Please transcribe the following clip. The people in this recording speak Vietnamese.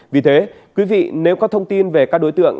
vì thế quý vị nếu có thông tin về các đối tượng